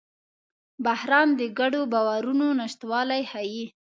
بحران د ګډو باورونو نشتوالی ښيي.